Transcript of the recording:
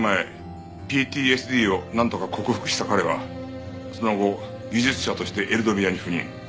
５０年前ＰＴＳＤをなんとか克服した彼はその後技術者としてエルドビアに赴任。